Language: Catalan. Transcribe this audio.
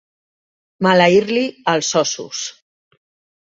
Maleir-li els ossos.